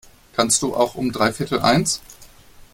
Kannst du auch um dreiviertel eins?